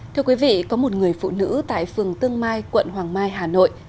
thưa quý vị có một người phụ nữ tại phường tương mai quận hoàng mai hà nội